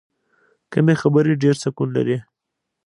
کمې خبرې، ډېر سکون لري.